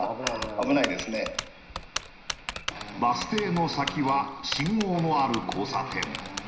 バス停の先は信号のある交差点。